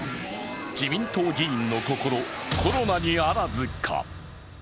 自民党議員の心コロナにあらずか？